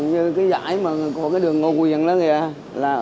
như cái dải của đường cô quyền đó kìa